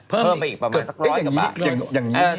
เพิ่มไปอีกประมาณสัก๑๐๐กว่าบาท